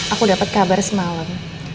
aku dapat kabar semalam